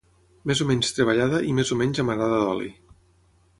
més o menys treballada i més o menys amarada d'oli